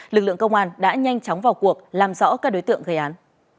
lực lượng công an đã nhanh chóng vào cuộc làm rõ các đối tượng gây án